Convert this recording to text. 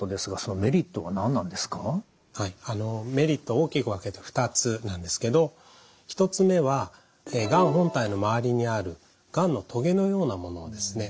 メリットは大きく分けて２つなんですけど１つ目はがん本体の周りにあるがんのとげのようなものをですね